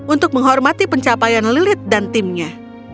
untuk menghormati pencapaian lilit dan timnya